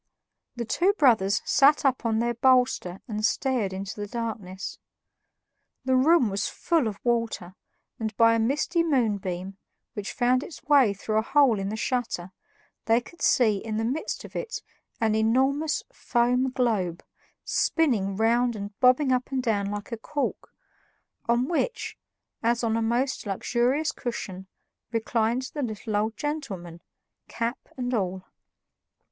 The two brothers sat up on their bolster and stared into the darkness. The room was full of water, and by a misty moonbeam, which found its way through a hole in the shutter, they could see in the midst of it an enormous foam globe, spinning round and bobbing up and down like a cork, on which, as on a most luxurious cushion, reclined the little old gentleman, cap and all.